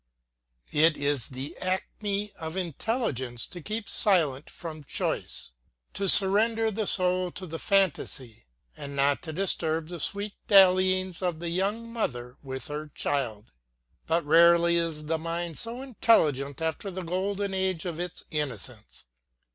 It is the acme of intelligence to keep silent from choice, to surrender the soul to the fantasy, and not to disturb the sweet dallyings of the young mother with her child. But rarely is the mind so intelligent after the golden age of its innocence.